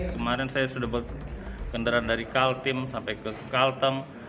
kemarin saya sudah berkendara dari kaltim sampai ke kalteng